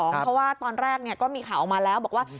เพราะว่าตอนแรกก็มีข่าวออกมาแล้วบอกว่า